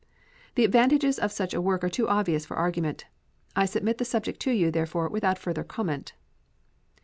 The advantages of such a work are too obvious for argument. I submit the subject to you, therefore, without further comment.